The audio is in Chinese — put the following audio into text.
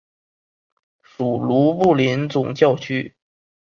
属卢布林总教区。